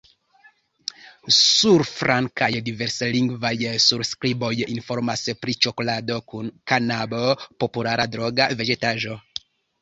Surflankaj diverslingvaj surskriboj informas pri ĉokolado kun kanabo – populara droga vegetaĵo.